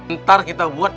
ntar kita buat